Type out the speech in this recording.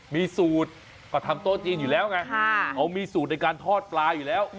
มีสูตรก็ทำโต๊ะจีนอยู่แล้วไงเขามีสูตรในการทอดปลาอยู่แล้ว